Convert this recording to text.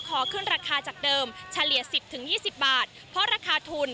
ขอขึ้นราคาจากเดิมเฉลี่ย๑๐๒๐บาทเพราะราคาทุน